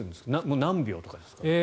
何秒とかですか？